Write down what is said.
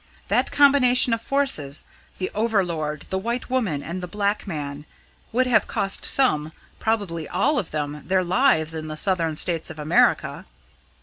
That combination of forces the over lord, the white woman, and the black man would have cost some probably all of them their lives in the Southern States of America.